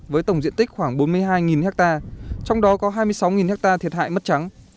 với tổng diện tích khoảng bốn mươi hai ha trong đó có hai mươi sáu ha thiệt hại mất trắng